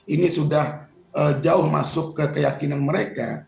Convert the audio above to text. ini sudah jauh masuk ke keyakinan mereka